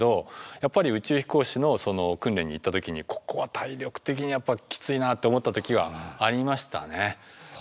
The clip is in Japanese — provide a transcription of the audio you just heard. やっぱり宇宙飛行士の訓練に行った時に「ここは体力的にやっぱきついな」と思った時はありましたね。